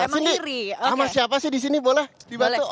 sini sama siapa sih disini boleh dibantu